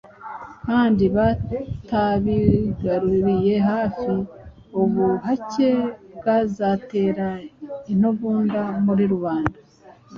Kandi batabigaruriye hafi, ubuhake bwazatera intugunda muri rubanda.